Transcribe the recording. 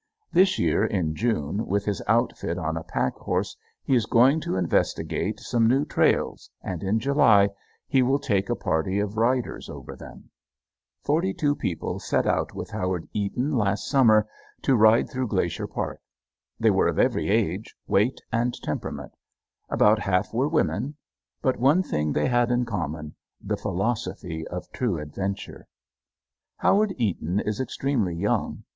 This year in June, with his outfit on a pack horse, he is going to investigate some new trails and in July he will take a party of riders over them. [Illustration: A RAINY DAY IN CAMP (Howard Eaton is fifth from left of those standing)] Forty two people set out with Howard Eaton last summer to ride through Glacier Park. They were of every age, weight, and temperament. About half were women. But one thing they had in common the philosophy of true adventure. Howard Eaton is extremely young.